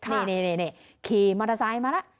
นี่ขี่มอเตอร์ไซค์มาแล้ว